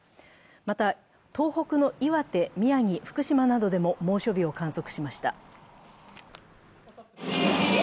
また東北の岩手、宮城、福島などでも猛暑日を観測しました。